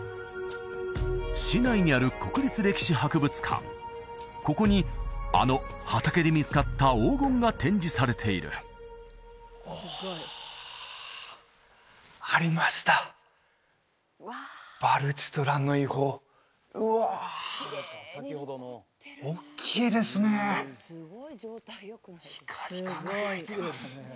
市内にある国立歴史博物館ここにあの畑で見つかった黄金が展示されているおありましたヴァルチトランの遺宝うわおっきいですね光り輝いてます